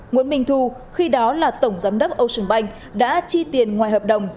nguyễn minh thu khi đó là tổng giám đốc ocean bank đã chi tiền ngoài hợp đồng